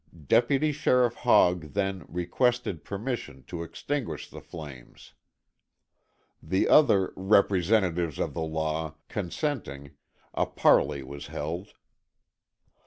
Deputy Sheriff Hogg then requested permission to extinguish the flames. The other "representatives of the law" consenting, a parley was held.